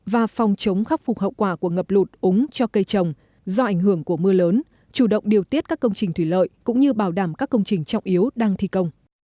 và phòng chống khắc phục hậu quả của ngập lụt úng cho cây trồng do ảnh hưởng của mưa lớn chủ động điều tiết các công trình thủy lợi cũng như bảo đảm các công trình trọng yếu đang thi công